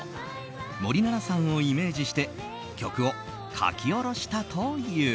森七菜さんをイメージして曲を書き下ろしたという。